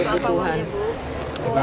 apa uangnya bu